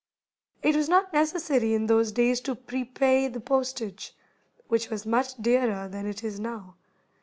It was not necessary in those days to prepay the postage, which was much dearer than it is now.